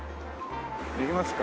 行きますか。